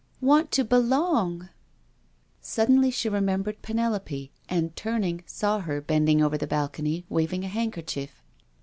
want to be long I" Suddenly she remembered Penelope, and turning, saw her bending over the balcony waving a handker chief.